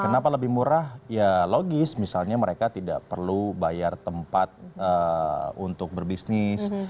kenapa lebih murah ya logis misalnya mereka tidak perlu bayar tempat untuk berbisnis